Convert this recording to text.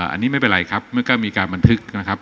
อันนี้ไม่เป็นไรครับเมื่อก็มีการบันทึกนะครับ